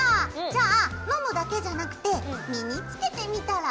じゃあ飲むだけじゃなくて身につけてみたら？